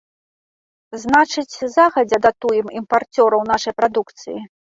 Значыць, загадзя датуем імпарцёраў нашай прадукцыі.